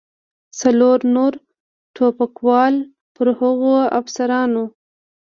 څلور نور ټوپکوال پر هغو افسرانو.